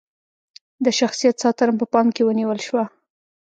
د شخصیت ساتنه په پام کې ونیول شوه.